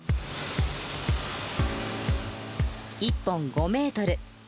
１本５ｍ。